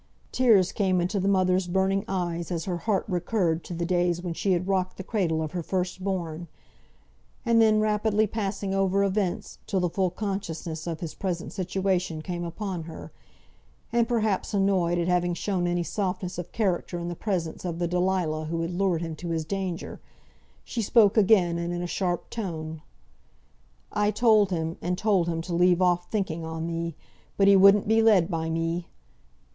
Tears came into the mother's burning eyes as her heart recurred to the days when she had rocked the cradle of her "first born;" and then, rapidly passing over events, till the full consciousness of his present situation came upon her, and perhaps annoyed at having shown any softness of character in the presence of the Dalilah who had lured him to his danger, she spoke again, and in a sharper tone. "I told him, and told him to leave off thinking on thee; but he wouldn't be led by me.